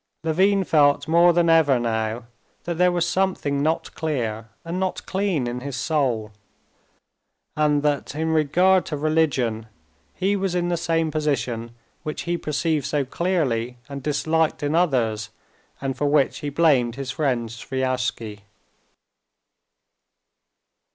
Levin felt more than ever now that there was something not clear and not clean in his soul, and that, in regard to religion, he was in the same position which he perceived so clearly and disliked in others, and for which he blamed his friend Sviazhsky.